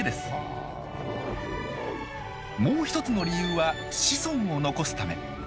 もう一つの理由は「子孫を残すため」。